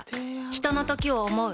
ひとのときを、想う。